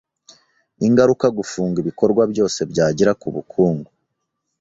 ingaruka gufunga ibikorwa byose byagira ku bukungu